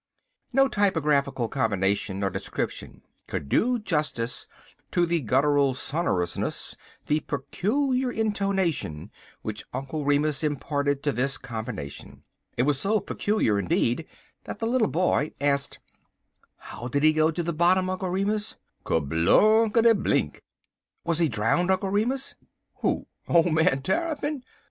No typographical combination or description could do justice to the guttural sonorousness the peculiar intonation which Uncle Remus imparted to this combination. It was so peculiar, indeed, that the little boy asked: "How did he go to the bottom, Uncle Remus?" "Kerblunkity blink!" "Was he drowned, Uncle Remus?" "Who? Ole man Tarrypin?